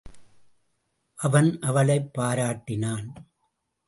அவன் அவளைப் பாராட்டினான்.